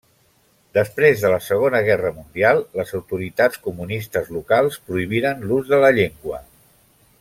Després de la Segona Guerra Mundial les autoritats comunistes locals prohibiren l'ús de la llengua.